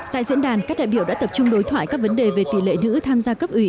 tại diễn đàn các đại biểu đã tập trung đối thoại các vấn đề về tỷ lệ nữ tham gia cấp ủy